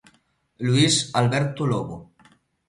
Luís Alberto Lobo.